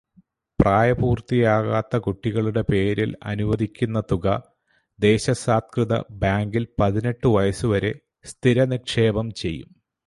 പ്രായപൂര്ത്തിയാകാത്ത കുട്ടികളുടെ പേരില് അനുവദിക്കുന്ന തുക ദേശസാല്ക്കൃത ബാങ്കില് പതിനെട്ടു വയസ്സുവരെ സ്ഥിരനിക്ഷേപം ചെയ്യും.